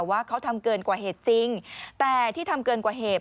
ว่าเขาทำเกินกว่าเหตุจริงแต่ที่ทำเกินกว่าเหตุ